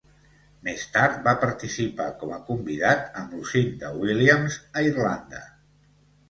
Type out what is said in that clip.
Més tard va participar com a convidat amb Lucinda Williams a Irlanda.